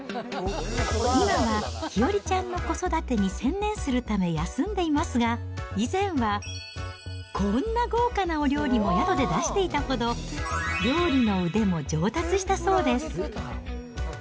今は日和ちゃんの子育てに専念するため休んでいますが、以前は、こんな豪華なお料理も宿で出していたほど、料理の腕も上達したそうです。